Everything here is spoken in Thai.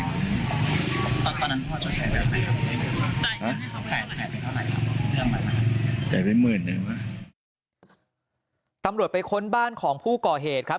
ตอนตอนนั้นพ่อเจ้าใช้ไปไหนครับ